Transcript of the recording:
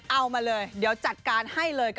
เอามาเลยเดี๋ยวจัดการให้เลยค่ะ